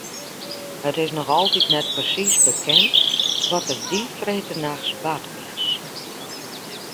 It is noch altyd net persiis bekend wat der dy freedtenachts bard is.